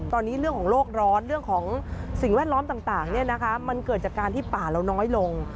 ตอนนี้เรื่องของโลกร้อนเรื่องของสิ่งแวดล้อมต่างมันเกิดจากการที่ป่าเราน้อยลง